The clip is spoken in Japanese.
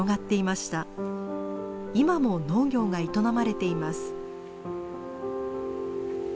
今も農業が営まれています。